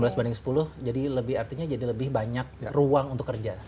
lima belas banding sepuluh jadi lebih artinya jadi lebih banyak ruang untuk kerja